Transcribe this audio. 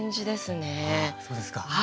あそうですか。